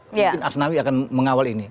mungkin asnawi akan mengawal ini